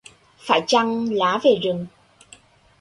Phải chăng lá về rừng